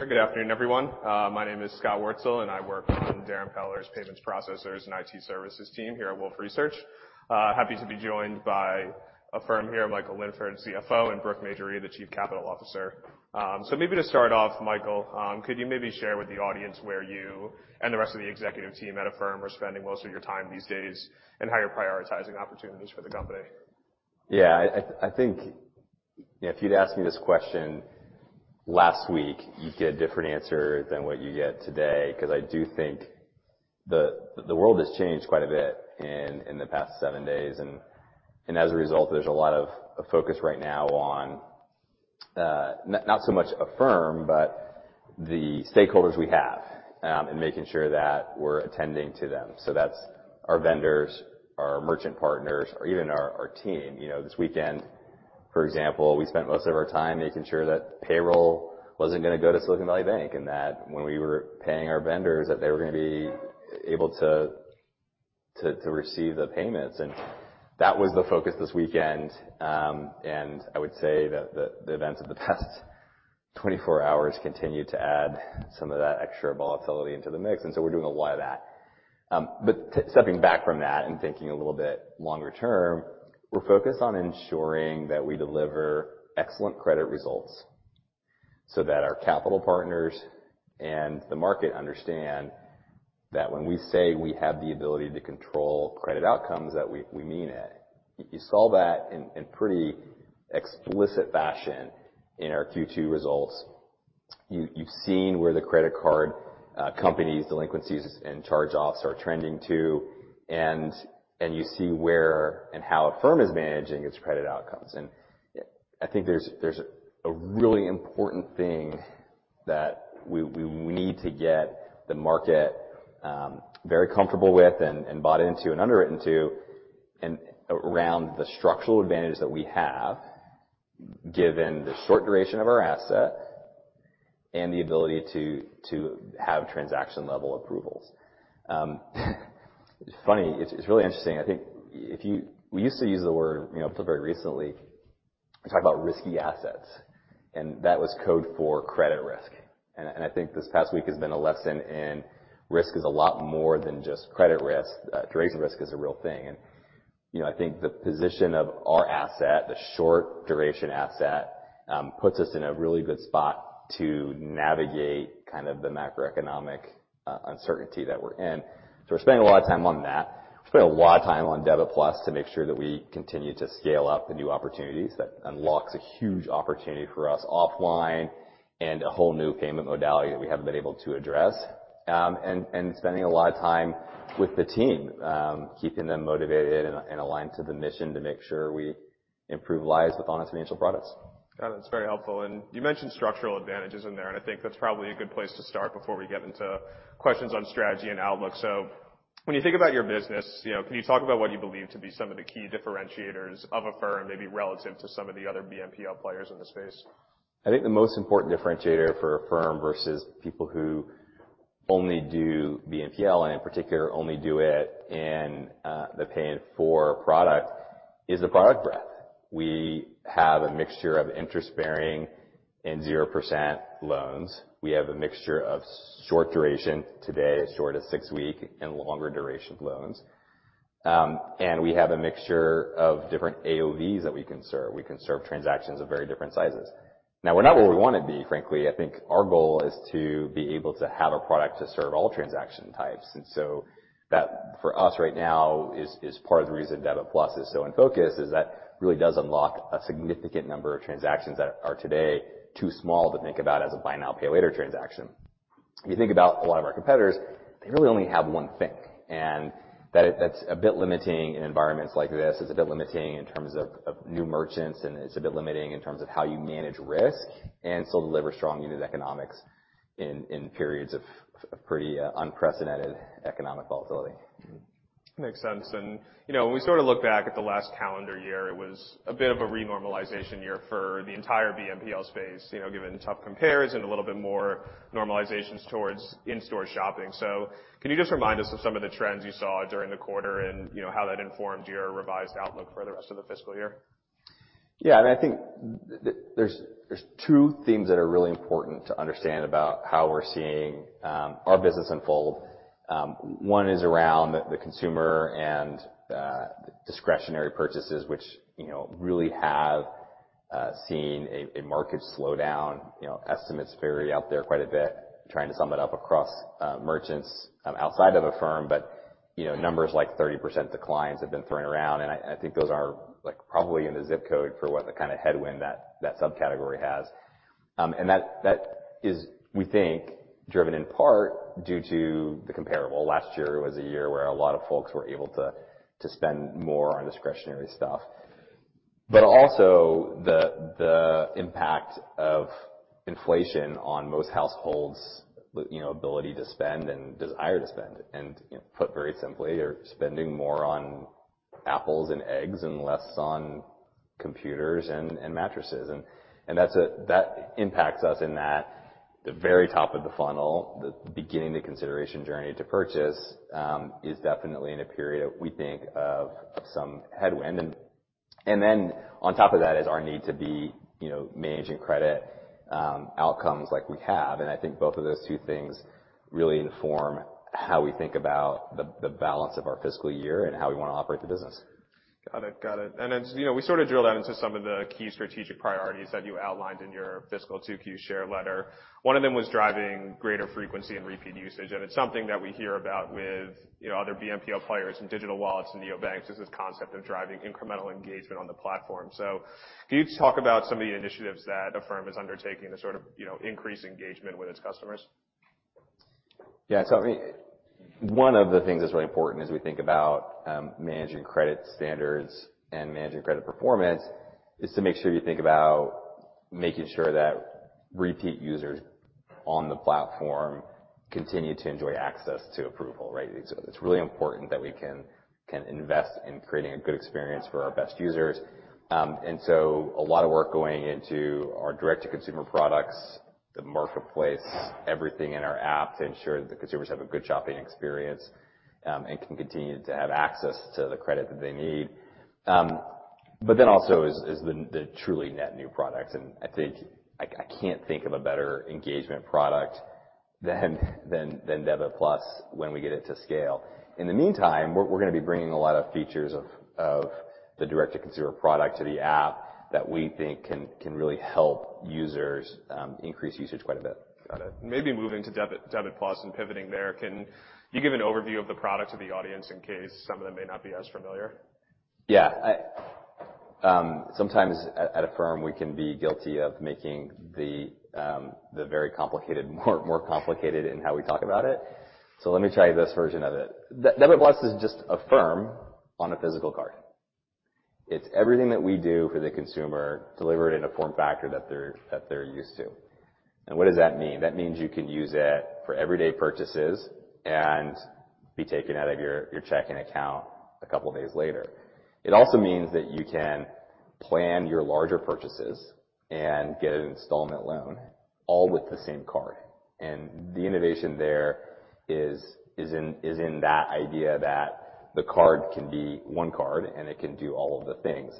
Good afternoon, everyone. My name is Scott Wurtzel, and I work on Darrin Peller's Payments Processors and IT Services team here at Wolfe Research. Happy to be joined by Affirm here, Michael Linford, CFO, and Brooke Major-Reid, the Chief Capital Officer, so maybe to start off, Michael, could you maybe share with the audience where you and the rest of the executive team at Affirm are spending most of your time these days and how you're prioritizing opportunities for the company? Yeah, I think, you know, if you'd asked me this question last week, you'd get a different answer than what you get today because I do think the world has changed quite a bit in the past seven days. And as a result, there's a lot of focus right now on not so much Affirm but the stakeholders we have, and making sure that we're attending to them. So that's our vendors, our merchant partners, or even our team. You know, this weekend, for example, we spent most of our time making sure that payroll wasn't gonna go to Silicon Valley Bank and that when we were paying our vendors that they were gonna be able to receive the payments. And that was the focus this weekend. And I would say that the events of the past 24 hours continued to add some of that extra volatility into the mix. And so we're doing a lot of that. But stepping back from that and thinking a little bit longer term, we're focused on ensuring that we deliver excellent credit results so that our capital partners and the market understand that when we say we have the ability to control credit outcomes, that we mean it. You saw that in pretty explicit fashion in our Q2 results. You've seen where the credit card companies' delinquencies and charge-offs are trending to, and you see where and how Affirm is managing its credit outcomes. And I think there's a really important thing that we need to get the market very comfortable with and bought into and underwritten to and around the structural advantage that we have given the short duration of our asset and the ability to have transaction-level approvals. It's funny. It's really interesting. I think if we used to use the word, you know, till very recently, we talked about risky assets, and that was code for credit risk. And I think this past week has been a lesson in risk is a lot more than just credit risk. Duration risk is a real thing. And, you know, I think the position of our asset, the short-duration asset, puts us in a really good spot to navigate kind of the macroeconomic uncertainty that we're in. So we're spending a lot of time on that. We're spending a lot of time on Debit+ to make sure that we continue to scale up the new opportunities that unlocks a huge opportunity for us offline and a whole new payment modality that we haven't been able to address, and spending a lot of time with the team, keeping them motivated and aligned to the mission to make sure we improve lives with honest financial products. Got it. That's very helpful. And you mentioned structural advantages in there, and I think that's probably a good place to start before we get into questions on strategy and outlook. So when you think about your business, you know, can you talk about what you believe to be some of the key differentiators of Affirm maybe relative to some of the other BNPL players in the space? I think the most important differentiator for Affirm versus people who only do BNPL and, in particular, only do it in the Pay in 4 product is the product breadth. We have a mixture of interest-bearing and 0% loans. We have a mixture of short-duration today, as short as six-week, and longer-duration loans. And we have a mixture of different AOVs that we can serve. We can serve transactions of very different sizes. Now, we're not where we wanna be, frankly. I think our goal is to be able to have a product to serve all transaction types. And so that, for us right now, is part of the Debit+ is so in focus is that really does unlock a significant number of transactions that are today too small to think about as a buy now, pay later transaction. If you think about a lot of our competitors, they really only have one thing, and that, that's a bit limiting in environments like this. It's a bit limiting in terms of new merchants, and it's a bit limiting in terms of how you manage risk and still deliver strong unit economics in periods of pretty unprecedented economic volatility. Makes sense. And, you know, when we sort of look back at the last calendar year, it was a bit of a renormalization year for the entire BNPL space, you know, given tough comparisons, a little bit more normalizations towards in-store shopping. So can you just remind us of some of the trends you saw during the quarter and, you know, how that informed your revised outlook for the rest of the fiscal year? Yeah. I mean, I think there's two themes that are really important to understand about how we're seeing our business unfold. One is around the consumer and discretionary purchases, which you know really have seen a market slowdown. You know, estimates vary out there quite a bit trying to sum it up across merchants outside of Affirm. But you know numbers like 30% declines have been thrown around. And I think those are like probably in the zip code for what the kind of headwind that subcategory has. And that is we think driven in part due to the comparable. Last year was a year where a lot of folks were able to spend more on discretionary stuff, but also the impact of inflation on most households' liquidity you know ability to spend and desire to spend. And, you know, put very simply, they're spending more on apples and eggs and less on computers and mattresses. And that's that impacts us in that the very top of the funnel, the beginning of the consideration journey to purchase, is definitely in a period of, we think, some headwind. And then on top of that is our need to be, you know, managing credit outcomes like we have. And I think both of those two things really inform how we think about the balance of our fiscal year and how we wanna operate the business. Got it. Got it. And it's, you know, we sort of drilled down into some of the key strategic priorities that you outlined in your fiscal Q2 shareholder letter. One of them was driving greater frequency and repeat usage. And it's something that we hear about with, you know, other BNPL players and digital wallets and neobanks: this concept of driving incremental engagement on the platform. So can you talk about some of the initiatives that Affirm is undertaking to sort of, you know, increase engagement with its customers? Yeah. So I mean, one of the things that's really important as we think about managing credit standards and managing credit performance is to make sure you think about making sure that repeat users on the platform continue to enjoy access to approval, right? It's really important that we can invest in creating a good experience for our best users. And so a lot of work going into our direct-to-consumer products, the marketplace, everything in our app to ensure that the consumers have a good shopping experience, and can continue to have access to the credit that they need, but then also is the truly net new product. And I think I can't think of a better engagement product than Debit+ when we get it to scale. In the meantime, we're gonna be bringing a lot of features of the direct-to-consumer product to the app that we think can really help users increase usage quite a bit. Got it. And maybe moving to Debit+ and pivoting there, can you give an overview of the product to the audience in case some of them may not be as familiar? Yeah. I sometimes at Affirm, we can be guilty of making the very complicated more complicated in how we talk about it. So let me try this version of it. Debit+ is just Affirm on a physical card. It's everything that we do for the consumer delivered in a form factor that they're used to. And what does that mean? That means you can use it for everyday purchases and be taken out of your checking account a couple of days later. It also means that you can plan your larger purchases and get an installment loan all with the same card. And the innovation there is in that idea that the card can be one card, and it can do all of the things.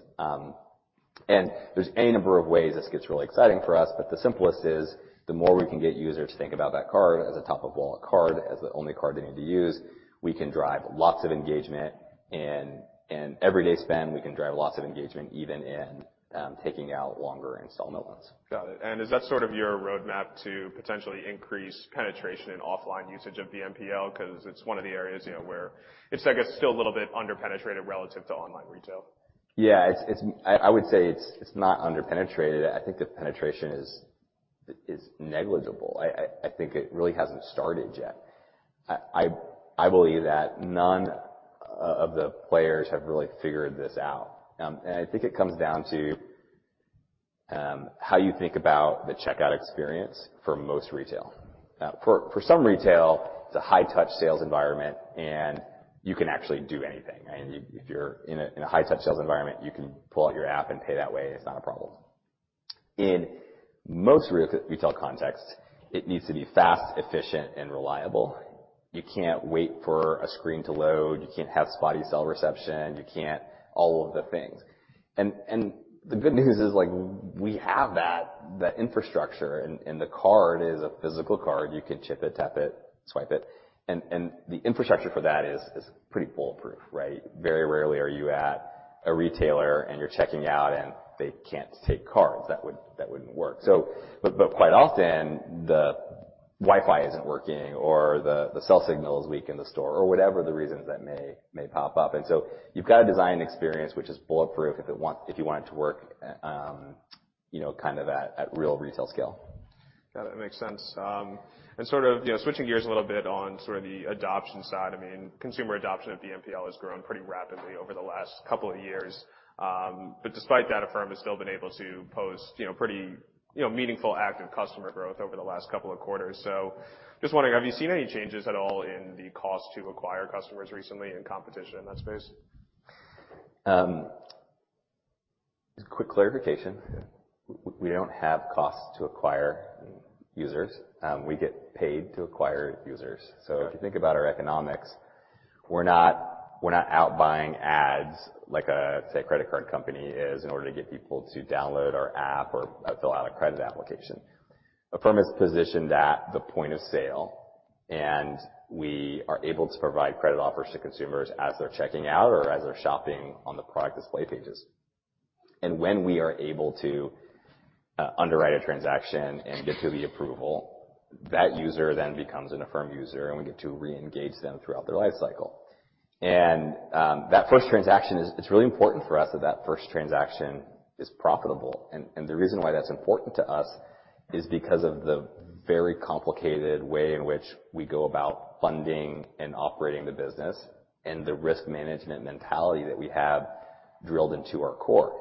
And there's any number of ways this gets really exciting for us, but the simplest is the more we can get users to think about that card as a top-of-wallet card, as the only card they need to use, we can drive lots of engagement in, in everyday spend. We can drive lots of engagement even in, taking out longer installment loans. Got it. And is that sort of your roadmap to potentially increase penetration in offline usage of BNPL because it's one of the areas, you know, where it's, I guess, still a little bit underpenetrated relative to online retail? Yeah. It's, I would say it's not underpenetrated. I think the penetration is negligible. I think it really hasn't started yet. I believe that none of the players have really figured this out. And I think it comes down to how you think about the checkout experience for most retail. For some retail, it's a high-touch sales environment, and you can actually do anything. I mean, if you're in a high-touch sales environment, you can pull out your app and pay that way. It's not a problem. In most retail contexts, it needs to be fast, efficient, and reliable. You can't wait for a screen to load. You can't have spotty cell reception. You can't all of the things. And the good news is, like, we have that infrastructure. And the card is a physical card. You can chip it, tap it, swipe it. And the infrastructure for that is pretty bulletproof, right? Very rarely are you at a retailer and you're checking out, and they can't take cards. That wouldn't work. But quite often, the Wi-Fi isn't working or the cell signal is weak in the store or whatever the reasons that may pop up. And so you've got to design an experience which is bulletproof if you want it to work, you know, kind of at real retail scale. Got it. Makes sense, and sort of, you know, switching gears a little bit on sort of the adoption side. I mean, consumer adoption at BNPL has grown pretty rapidly over the last couple of years, but despite that, Affirm has still been able to post, you know, pretty, you know, meaningful active customer growth over the last couple of quarters, so just wondering, have you seen any changes at all in the cost to acquire customers recently and competition in that space? Quick clarification. We don't have costs to acquire users. We get paid to acquire users. So if you think about our economics, we're not out buying ads like, say, a credit card company is in order to get people to download our app or fill out a credit application. Affirm is positioned at the point of sale, and we are able to provide credit offers to consumers as they're checking out or as they're shopping on the product display pages. And when we are able to underwrite a transaction and get to the approval, that user then becomes an Affirm user, and we get to re-engage them throughout their life cycle. And that first transaction is. It's really important for us that that first transaction is profitable. And the reason why that's important to us is because of the very complicated way in which we go about funding and operating the business and the risk management mentality that we have drilled into our core.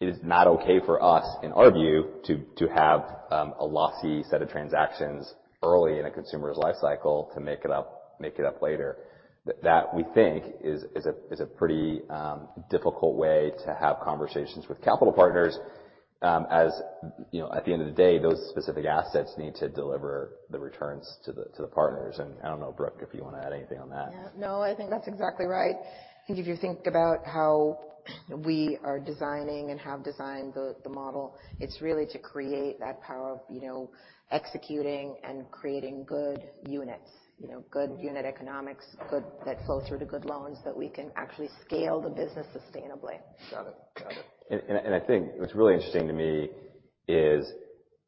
It is not okay for us, in our view, to have a lossy set of transactions early in a consumer's life cycle to make it up later. That we think is a pretty difficult way to have conversations with capital partners, as you know, at the end of the day, those specific assets need to deliver the returns to the partners. And I don't know, Brooke, if you wanna add anything on that. Yeah. No, I think that's exactly right. I think if you think about how we are designing and have designed the, the model, it's really to create that power of, you know, executing and creating good units, you know, good unit economics, good that flow through to good loans that we can actually scale the business sustainably. Got it. Got it. I think what's really interesting to me is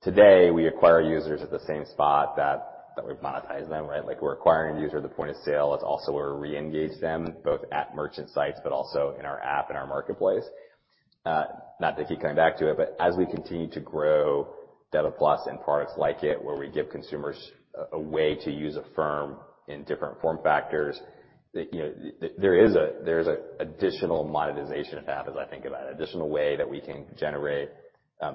today we acquire users at the same spot that we've monetized them, right? Like, we're acquiring a user at the point of sale. It's also where we re-engage them both at merchant sites but also in our app and our marketplace. Not to keep coming back to it, but as we continue to grow Debit+ and products like it where we give consumers a way to use Affirm in different form factors, you know, there is a, there's an additional monetization path, as I think about it, additional way that we can generate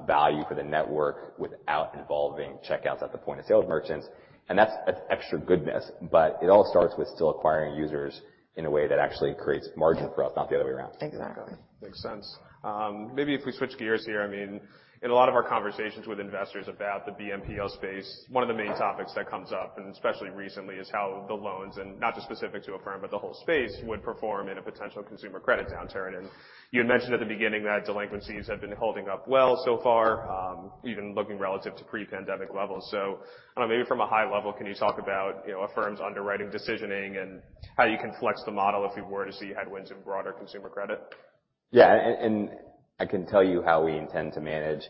value for the network without involving checkouts at the point of sale of merchants. And that's an extra goodness, but it all starts with still acquiring users in a way that actually creates margin for us, not the other way around. Exactly. Makes sense. Maybe if we switch gears here, I mean, in a lot of our conversations with investors about the BNPL space, one of the main topics that comes up, and especially recently, is how the loans and not just specific to Affirm but the whole space would perform in a potential consumer credit downturn, and you had mentioned at the beginning that delinquencies have been holding up well so far, even looking relative to pre-pandemic levels, so I don't know, maybe from a high level, can you talk about, you know, Affirm's underwriting decisioning and how you can flex the model if we were to see headwinds in broader consumer credit? Yeah. And I can tell you how we intend to manage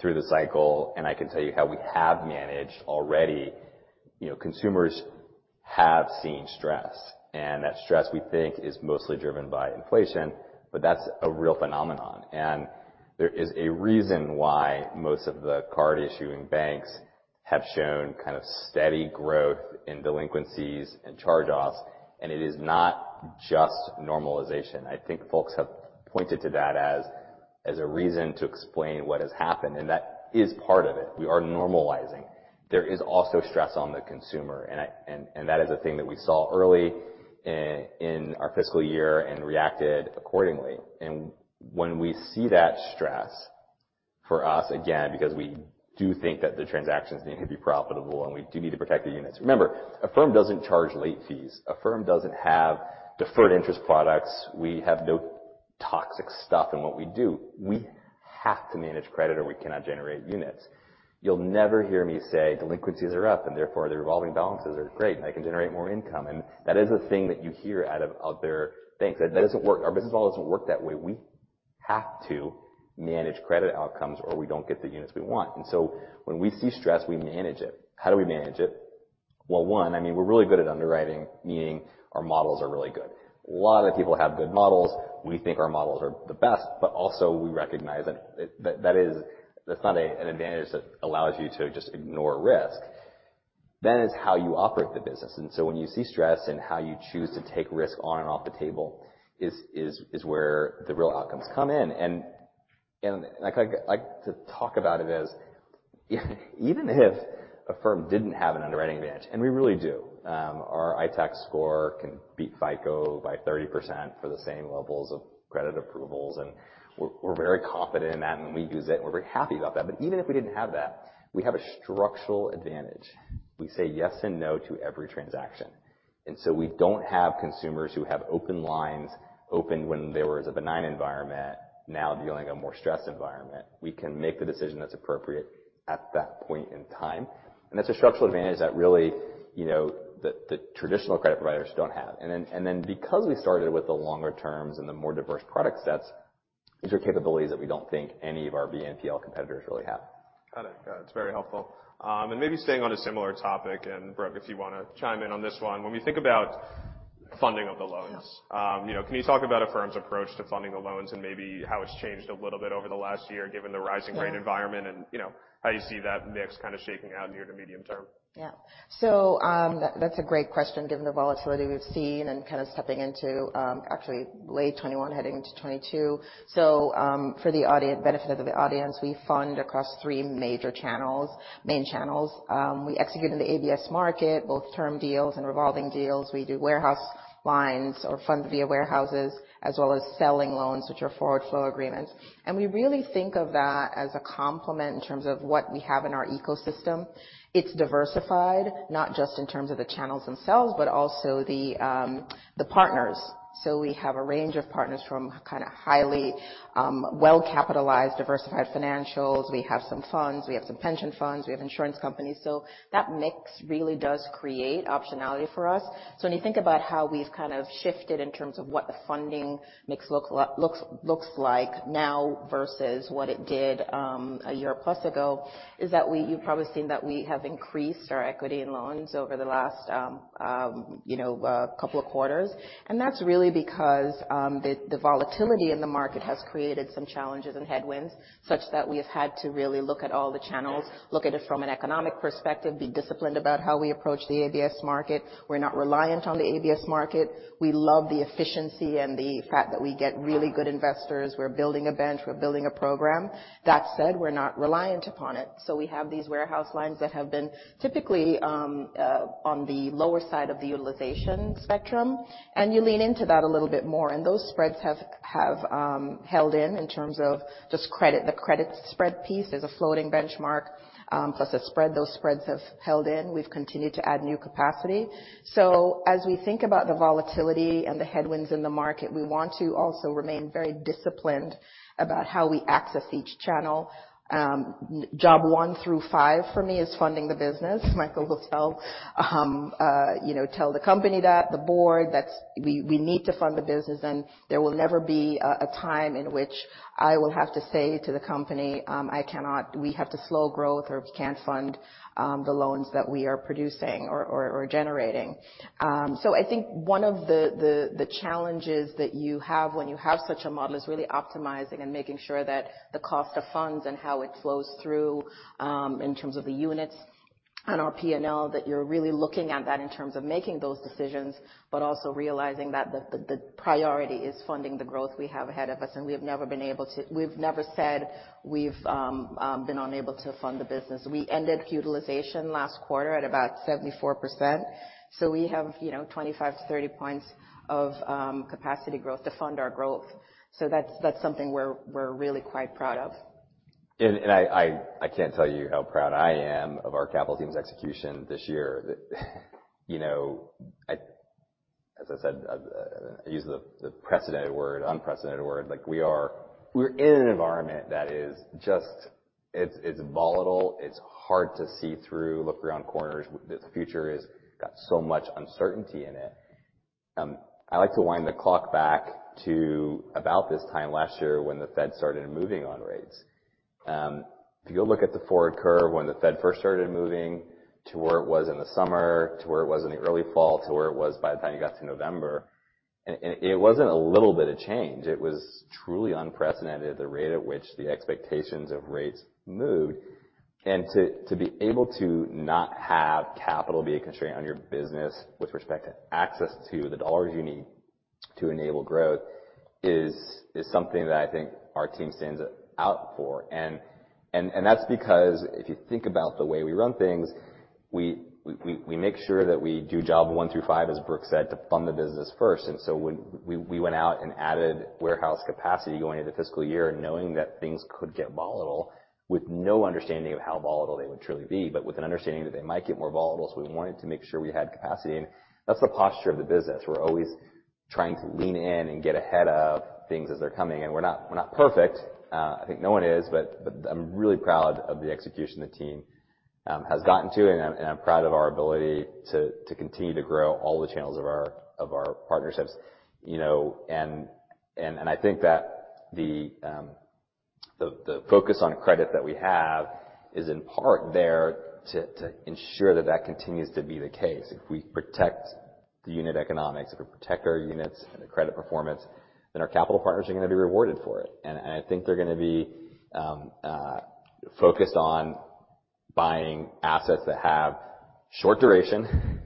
through the cycle, and I can tell you how we have managed already. You know, consumers have seen stress, and that stress we think is mostly driven by inflation, but that's a real phenomenon. And there is a reason why most of the card-issuing banks have shown kind of steady growth in delinquencies and charge-offs, and it is not just normalization. I think folks have pointed to that as a reason to explain what has happened, and that is part of it. We are normalizing. There is also stress on the consumer, and that is a thing that we saw early, in our fiscal year and reacted accordingly. When we see that stress for us, again, because we do think that the transactions need to be profitable and we do need to protect the units. Remember, Affirm doesn't charge late fees. Affirm doesn't have deferred interest products. We have no toxic stuff in what we do. We have to manage credit or we cannot generate units. You'll never hear me say delinquencies are up and therefore the revolving balances are great and I can generate more income. That is a thing that you hear out of other banks. That doesn't work. Our business model doesn't work that way. We have to manage credit outcomes or we don't get the units we want. When we see stress, we manage it. How do we manage it? One, I mean, we're really good at underwriting, meaning our models are really good. A lot of people have good models. We think our models are the best, but also we recognize that that is not an advantage that allows you to just ignore risk. Then it's how you operate the business. And so when you see stress and how you choose to take risk on and off the table is where the real outcomes come in. And I kind of like to talk about it as even if Affirm didn't have an underwriting advantage, and we really do, our ITAC score can beat FICO by 30% for the same levels of credit approvals. And we're very confident in that, and we use it, and we're very happy about that. But even if we didn't have that, we have a structural advantage. We say yes and no to every transaction. And so we don't have consumers who have open lines when there was a benign environment, now dealing in a more stressed environment. We can make the decision that's appropriate at that point in time. And that's a structural advantage that really, you know, the traditional credit providers don't have. And then because we started with the longer terms and the more diverse product sets, these are capabilities that we don't think any of our BNPL competitors really have. Got it. Got it. It's very helpful, and maybe staying on a similar topic, and Brooke, if you wanna chime in on this one, when we think about funding of the loans. Yes. You know, can you talk about Affirm's approach to funding the loans and maybe how it's changed a little bit over the last year given the rising rate environment and, you know, how you see that mix kind of shaking out near to medium term? Yeah. So, that, that's a great question given the volatility we've seen and kind of stepping into, actually late 2021 heading into 2022. So, for the benefit of the audience, we fund across three major channels, main channels. We execute in the ABS market, both term deals and revolving deals. We do warehouse lines or fund via warehouses as well as selling loans, which are forward flow agreements. And we really think of that as a complement in terms of what we have in our ecosystem. It's diversified, not just in terms of the channels themselves, but also the, the partners. So we have a range of partners from kind of highly, well-capitalized diversified financials. We have some funds. We have some pension funds. We have insurance companies. So that mix really does create optionality for us. So when you think about how we've kind of shifted in terms of what the funding mix looks like now versus what it did a year plus ago, is that we, you've probably seen that we have increased our equity in loans over the last you know couple of quarters. And that's really because the volatility in the market has created some challenges and headwinds such that we have had to really look at all the channels, look at it from an economic perspective, be disciplined about how we approach the ABS market. We're not reliant on the ABS market. We love the efficiency and the fact that we get really good investors. We're building a bench. We're building a program. That said, we're not reliant upon it. So we have these warehouse lines that have been typically on the lower side of the utilization spectrum, and you lean into that a little bit more. And those spreads have held in terms of just credit. The credit spread piece is a floating benchmark, plus a spread. Those spreads have held in. We've continued to add new capacity. So as we think about the volatility and the headwinds in the market, we want to also remain very disciplined about how we access each channel. Job one through five for me is funding the business. Michael will, you know, tell the company that the board that we need to fund the business, and there will never be a time in which I will have to say to the company, I cannot, we have to slow growth or we can't fund the loans that we are producing or generating. So I think one of the challenges that you have when you have such a model is really optimizing and making sure that the cost of funds and how it flows through, in terms of the units and our P&L, that you're really looking at that in terms of making those decisions, but also realizing that the priority is funding the growth we have ahead of us. And we've never been unable to fund the business. We ended utilization last quarter at about 74%. So we have, you know, 25-30 points of capacity growth to fund our growth. So that's something we're really quite proud of. I can't tell you how proud I am of our capital team's execution this year. You know, as I said, I use the precedented word, unprecedented word. Like, we're in an environment that is just, it's volatile. It's hard to see through, look around corners. The future has got so much uncertainty in it. I like to wind the clock back to about this time last year when the Fed started moving on rates. If you go look at the forward curve when the Fed first started moving to where it was in the summer, to where it was in the early fall, to where it was by the time you got to November, and it wasn't a little bit of change. It was truly unprecedented at the rate at which the expectations of rates moved. And to be able to not have capital be a constraint on your business with respect to access to the dollars you need to enable growth is something that I think our team stands out for. And that's because if you think about the way we run things, we make sure that we do job one through five, as Brooke said, to fund the business first. And so when we went out and added warehouse capacity going into the fiscal year, knowing that things could get volatile with no understanding of how volatile they would truly be, but with an understanding that they might get more volatile. So we wanted to make sure we had capacity. And that's the posture of the business. We're always trying to lean in and get ahead of things as they're coming. We're not perfect. I think no one is, but I'm really proud of the execution the team has gotten to. I'm proud of our ability to continue to grow all the channels of our partnerships, you know. I think that the focus on credit that we have is in part there to ensure that that continues to be the case. If we protect the unit economics, if we protect our units and the credit performance, then our capital partners are gonna be rewarded for it. I think they're gonna be focused on buying assets that have short duration,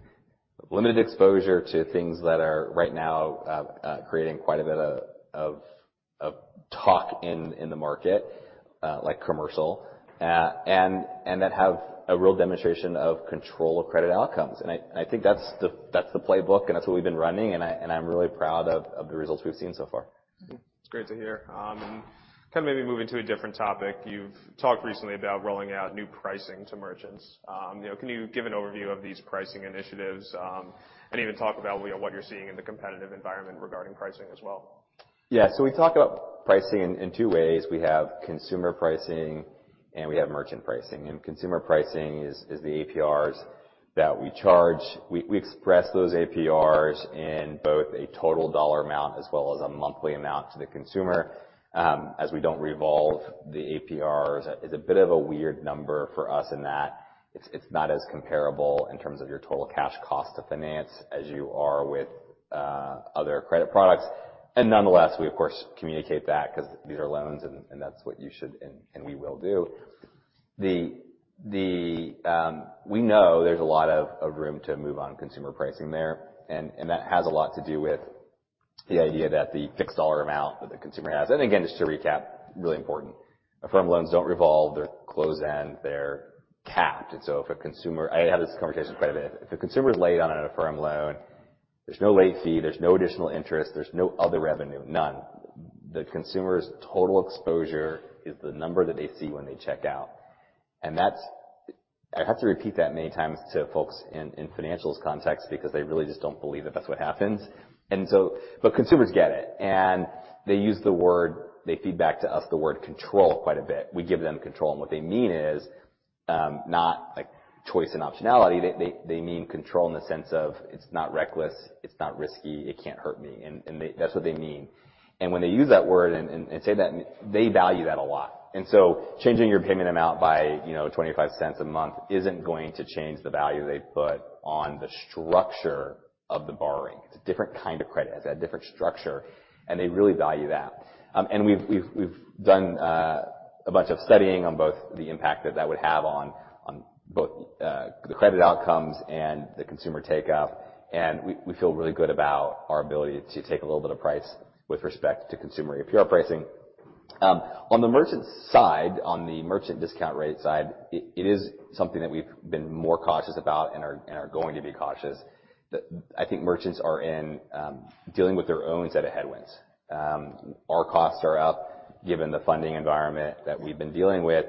limited exposure to things that are right now creating quite a bit of talk in the market, like commercial, and that have a real demonstration of control of credit outcomes. I think that's the playbook, and that's what we've been running. I'm really proud of the results we've seen so far. Great to hear. And kind of maybe moving to a different topic, you've talked recently about rolling out new pricing to merchants. You know, can you give an overview of these pricing initiatives, and even talk about, you know, what you're seeing in the competitive environment regarding pricing as well? Yeah. So we talk about pricing in two ways. We have consumer pricing and we have merchant pricing, and consumer pricing is the APRs that we charge. We express those APRs in both a total dollar amount as well as a monthly amount to the consumer. As we don't revolve the APRs, it's a bit of a weird number for us in that it's not as comparable in terms of your total cash cost to finance as you are with other credit products, and nonetheless, we of course communicate that because these are loans, and that's what you should and we will do. We know there's a lot of room to move on consumer pricing there, and that has a lot to do with the idea that the fixed dollar amount that the consumer has. And again, just to recap, really important. Affirm loans don't revolve. They're closed-end. They're capped. And so if a consumer, I had this conversation quite a bit. If a consumer's late on an Affirm loan, there's no late fee, there's no additional interest, there's no other revenue, none. The consumer's total exposure is the number that they see when they check out. And that's, I have to repeat that many times to folks in financial context because they really just don't believe that that's what happens. And so, but consumers get it. And they use the word, they feed back to us the word control quite a bit. We give them control. And what they mean is, not like choice and optionality. They mean control in the sense of it's not reckless, it's not risky, it can't hurt me. And they, that's what they mean. And when they use that word and say that, they value that a lot. And so changing your payment amount by, you know, $0.25 a month isn't going to change the value they put on the structure of the borrowing. It's a different kind of credit. It's a different structure. And they really value that. And we've done a bunch of studying on both the impact that that would have on both the credit outcomes and the consumer takeoff. And we feel really good about our ability to take a little bit of price with respect to consumer APR pricing. On the merchant side, on the merchant discount rate side, it is something that we've been more cautious about and are going to be cautious. I think merchants are dealing with their own set of headwinds. Our costs are up given the funding environment that we've been dealing with.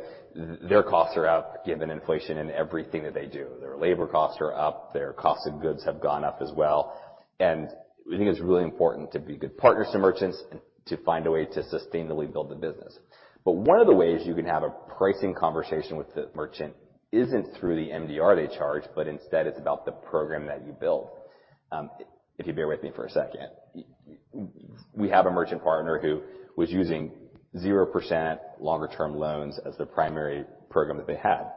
Their costs are up given inflation in everything that they do. Their labor costs are up. Their cost of goods have gone up as well. And we think it's really important to be good partners to merchants and to find a way to sustainably build the business. But one of the ways you can have a pricing conversation with the merchant isn't through the MDR they charge, but instead it's about the program that you build. If you bear with me for a second, we have a merchant partner who was using 0% longer term loans as the primary program that they had.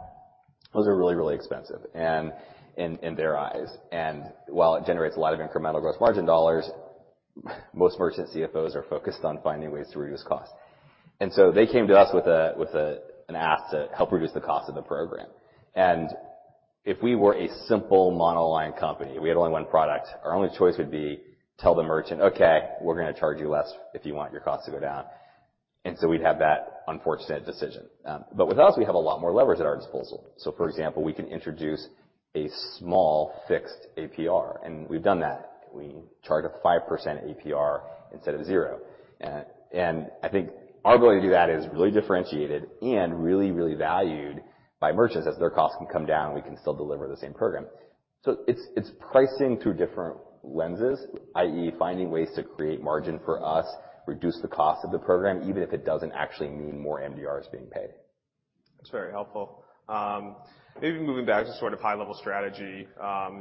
Those are really, really expensive and in, in their eyes. And while it generates a lot of incremental gross margin dollars, most merchant CFOs are focused on finding ways to reduce costs. And so they came to us with an ask to help reduce the cost of the program. And if we were a simple monoline company, we had only one product, our only choice would be tell the merchant, okay, we're gonna charge you less if you want your cost to go down. And so we'd have that unfortunate decision. But with us, we have a lot more levers at our disposal. So for example, we can introduce a small fixed APR. And we've done that. We charge a 5% APR instead of zero. And I think our ability to do that is really differentiated and really valued by merchants as their costs can come down and we can still deliver the same program. It's pricing through different lenses, i.e., finding ways to create margin for us, reduce the cost of the program, even if it doesn't actually mean more MDRs being paid. That's very helpful. Maybe moving back to sort of high-level strategy, you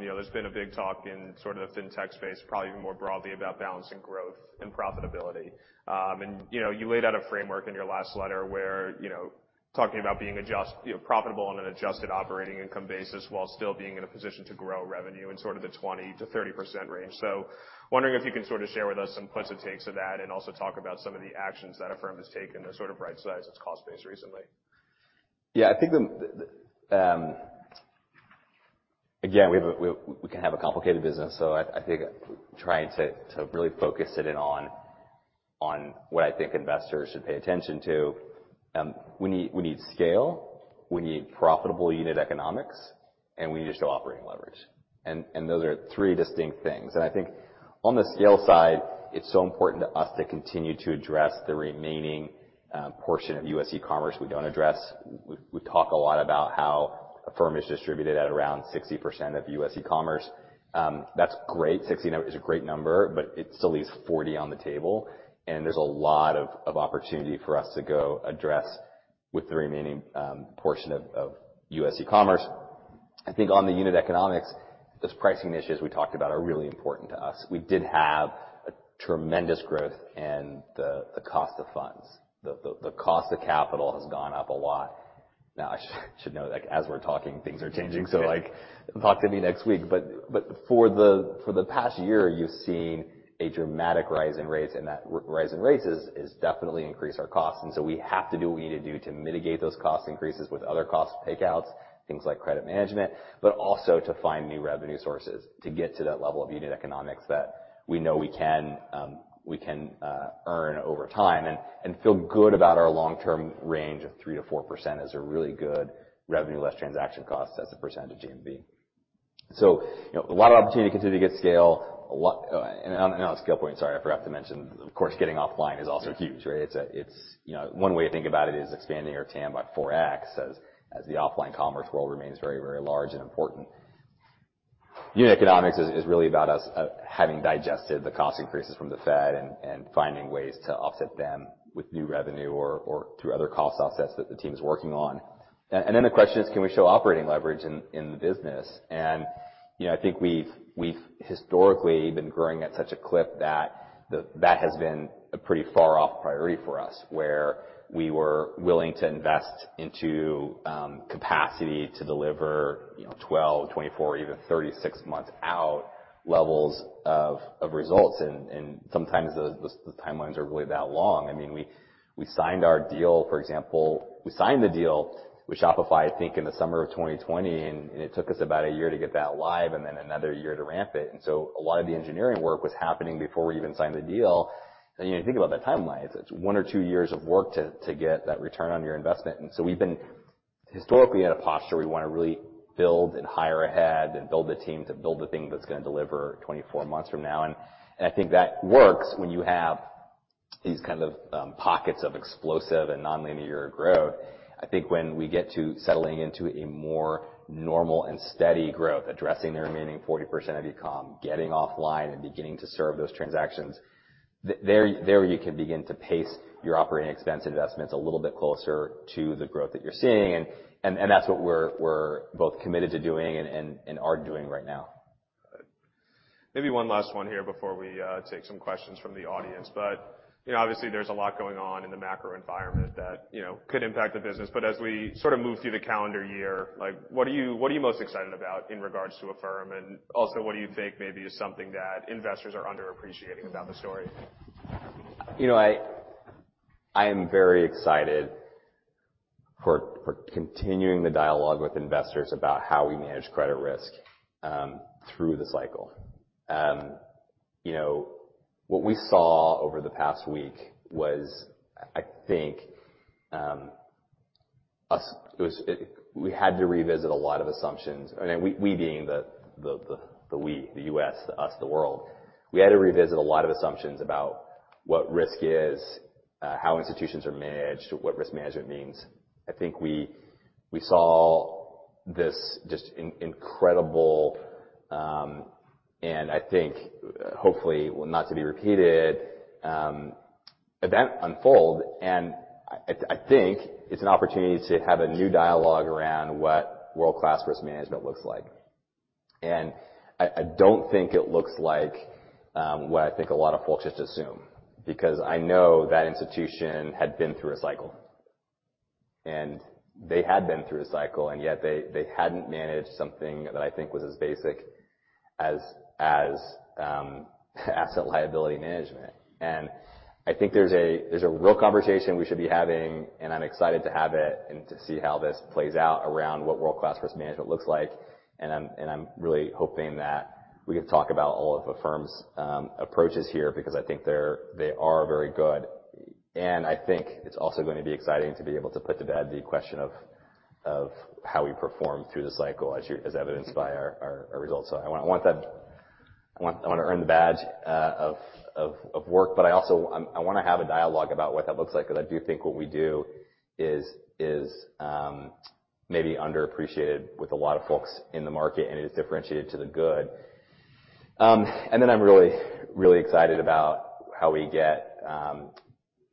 know, there's been a big talk in sort of the fintech space, probably even more broadly about balancing growth and profitability, and you know, you laid out a framework in your last letter where, you know, talking about being adjusted, you know, profitable on an adjusted operating income basis while still being in a position to grow revenue in sort of the 20%-30% range, so wondering if you can sort of share with us some puts and takes of that and also talk about some of the actions that Affirm has taken to sort of right-size its cost base recently. Yeah. I think the, again, we have a complicated business. So I think trying to really focus it in on what I think investors should pay attention to. We need scale, we need profitable unit economics, and we need to show operating leverage. And those are three distinct things. And I think on the scale side, it's so important to us to continue to address the remaining portion of U.S. e-commerce we don't address. We talk a lot about how Affirm is distributed at around 60% of U.S. e-commerce. That's great. 60% is a great number, but it still leaves 40% on the table. And there's a lot of opportunity for us to go address the remaining portion of U.S. e-commerce. I think on the unit economics, those pricing initiatives we talked about are really important to us. We did have a tremendous growth in the cost of funds. The cost of capital has gone up a lot. Now I should note, like, as we're talking, things are changing. So like, talk to me next week. But for the past year, you've seen a dramatic rise in rates. And that rise in rates is definitely increase our costs. And so we have to do what we need to do to mitigate those cost increases with other cost takeouts, things like credit management, but also to find new revenue sources to get to that level of unit economics that we know we can earn over time and feel good about our long-term range of 3%-4% as a really good revenue less transaction cost as a percentage GMV. So, you know, a lot of opportunity to continue to get scale a lot. And on a scale point, sorry, I forgot to mention, of course, getting offline is also huge, right? It's you know, one way to think about it is expanding our TAM by 4x as the offline commerce world remains very, very large and important. Unit economics is really about us having digested the cost increases from the Fed and finding ways to offset them with new revenue or through other cost offsets that the team is working on. And then the question is, can we show operating leverage in the business? And, you know, I think we've historically been growing at such a clip that that has been a pretty far-off priority for us where we were willing to invest into capacity to deliver, you know, 12, 24, even 36 months out levels of results. And sometimes the timelines are really that long. I mean, we signed our deal, for example. We signed the deal with Shopify. I think in the summer of 2020, and it took us about a year to get that live and then another year to ramp it. And so a lot of the engineering work was happening before we even signed the deal. And you know, you think about the timeline, it's one or two years of work to get that return on your investment. And so we've been historically in a posture we wanna really build and hire ahead and build the team to build the thing that's gonna deliver 24 months from now. And I think that works when you have these kind of pockets of explosive and non-linear growth. I think when we get to settling into a more normal and steady growth, addressing the remaining 40% of e-comm, getting offline and beginning to serve those transactions, there you can begin to pace your operating expense investments a little bit closer to the growth that you're seeing. That's what we're both committed to doing and are doing right now. Maybe one last one here before we take some questions from the audience. But, you know, obviously there's a lot going on in the macro environment that, you know, could impact the business. But as we sort of move through the calendar year, like, what are you most excited about in regards to Affirm? And also what do you think maybe is something that investors are underappreciating about the story? You know, I am very excited for continuing the dialogue with investors about how we manage credit risk through the cycle. You know, what we saw over the past week was, I think, we had to revisit a lot of assumptions, and we being the U.S., the world, we had to revisit a lot of assumptions about what risk is, how institutions are managed, what risk management means. I think we saw this just an incredible, and I think hopefully will not be repeated, event unfold, and I think it's an opportunity to have a new dialogue around what world-class risk management looks like. And I, I don't think it looks like what I think a lot of folks just assume because I know that institution had been through a cycle and they had been through a cycle and yet they, they hadn't managed something that I think was as basic as asset liability management. And I think there's a real conversation we should be having, and I'm excited to have it and to see how this plays out around what world-class risk management looks like. And I'm really hoping that we can talk about all of Affirm's approaches here because I think they're very good. And I think it's also going to be exciting to be able to put to bed the question of how we perform through the cycle as evidenced by our results. So I wanna earn the badge of work, but I also wanna have a dialogue about what that looks like because I do think what we do is maybe underappreciated with a lot of folks in the market and it is differentiated to the good, and then I'm really excited about how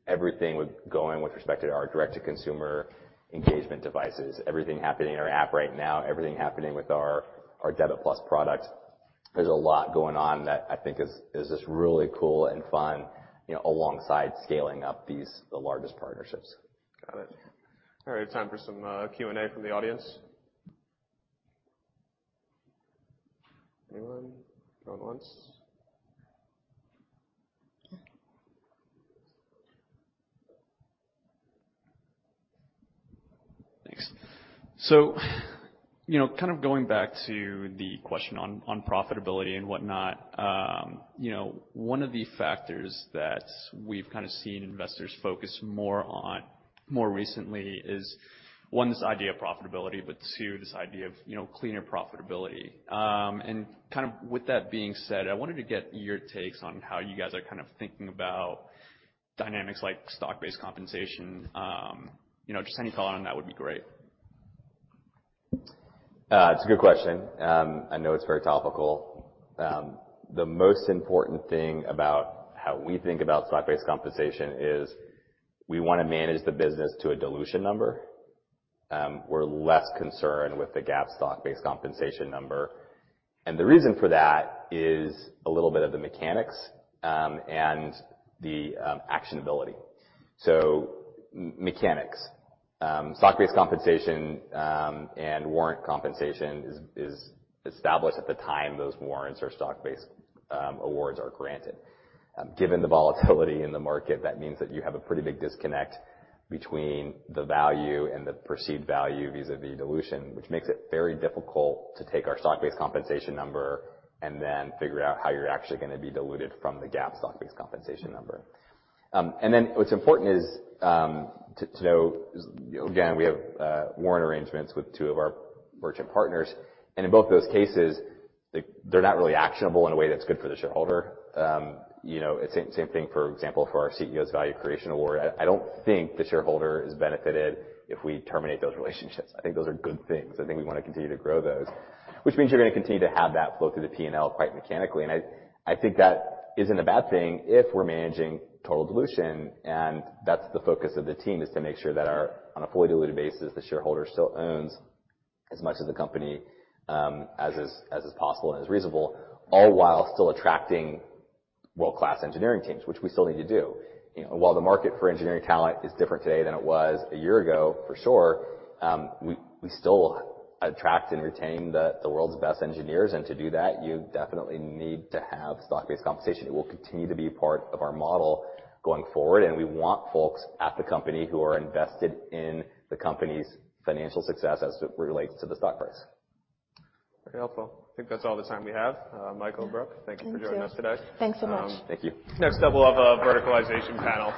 everything is going with respect to our direct-to-consumer engagement devices, everything happening in our app right now, everything happening with our Debit+ product. There's a lot going on that I think is just really cool and fun, you know, alongside scaling up the largest partnerships. Got it. All right. Time for some, Q&A from the audience. Anyone going once? Thanks. So, you know, kind of going back to the question on profitability and whatnot, you know, one of the factors that we've kind of seen investors focus more on, more recently is one, this idea of profitability, but two, this idea of, you know, cleaner profitability. And kind of with that being said, I wanted to get your takes on how you guys are kind of thinking about dynamics like stock-based compensation. You know, just any thought on that would be great. It's a good question. I know it's very topical. The most important thing about how we think about stock-based compensation is we wanna manage the business to a dilution number. We're less concerned with the GAAP stock-based compensation number, and the reason for that is a little bit of the mechanics and the actionability, so mechanics, stock-based compensation, and warrant compensation is established at the time those warrants or stock-based awards are granted. Given the volatility in the market, that means that you have a pretty big disconnect between the value and the perceived value vis-à-vis dilution, which makes it very difficult to take our stock-based compensation number and then figure out how you're actually gonna be diluted from the GAAP stock-based compensation number, and then what's important is to know, again, we have warrant arrangements with two of our merchant partners. And in both of those cases, they're not really actionable in a way that's good for the shareholder. You know, it's the same thing, for example, for our CEO's Value Creation Award. I don't think the shareholder is benefited if we terminate those relationships. I think those are good things. I think we wanna continue to grow those, which means you're gonna continue to have that flow through the P&L quite mechanically. And I think that isn't a bad thing if we're managing total dilution. And that's the focus of the team is to make sure that our, on a fully diluted basis, the shareholder still owns as much of the company, as is possible and as reasonable, all while still attracting world-class engineering teams, which we still need to do. You know, while the market for engineering talent is different today than it was a year ago, for sure, we still attract and retain the world's best engineers. And to do that, you definitely need to have stock-based compensation. It will continue to be part of our model going forward. And we want folks at the company who are invested in the company's financial success as it relates to the stock price. Very helpful. I think that's all the time we have. Michael and Brooke, thank you for joining us today. Thanks so much. Thank you. Next up, we'll have a verticalization panel.